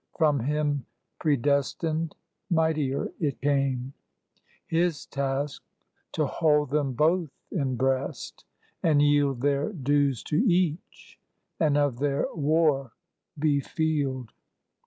From him predestined mightier it came; His task to hold them both in breast, and yield Their dues to each, and of their war be field.